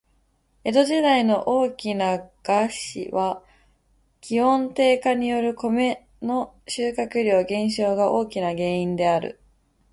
江戸時代の大きな飢饉は、気温低下によるコメの収穫量減少が大きな原因である。